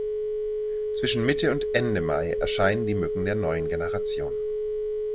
Zwischen Mitte und Ende Mai erscheinen die Mücken der neuen Generation.